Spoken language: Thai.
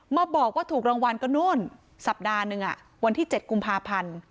มาบอกว่าถูกรางวัลก็นู่นสัปดาห์นึงวันที่๗กุมภาพันธ์